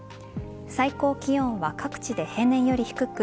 最高気温は各地で平年より低く